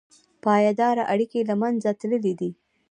پایداره اړیکې له منځه تللي دي.